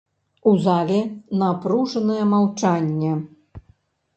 У зале напружанае маўчанне.